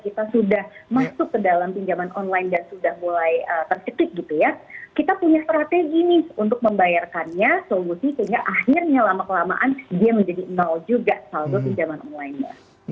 kita punya strategi nih untuk membayarkannya solusi sehingga akhirnya lama kelamaan dia menjadi nol juga saldo pinjaman online